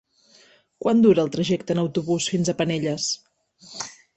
Quant dura el trajecte en autobús fins a Penelles?